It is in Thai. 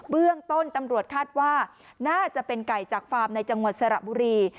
เบื้องต้นตำรวจคาดว่าน่าจะเป็นไก่จากฟาร์มในจังหวัดสระบุรี